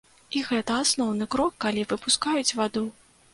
І гэта асноўны крок, калі выпускаюць ваду.